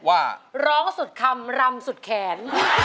ว่าร้องสุดคำรำสุดแขน